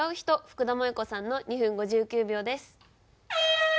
福田萌子さんの２分５９秒です。